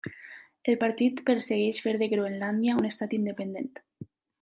El partit persegueix fer de Groenlàndia un estat independent.